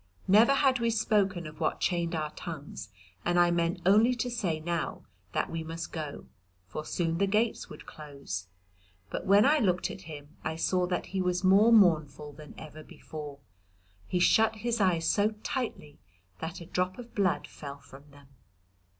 Never had we spoken of what chained our tongues, and I meant only to say now that we must go, for soon the gates would close, but when I looked at him I saw that he was more mournful than ever before; he shut his eyes so tightly that a drop of blood fell from them.